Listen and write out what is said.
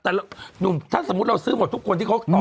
แต่ถ้าสมมติเราซื้อหมดทุกคนที่เขาต่อแถว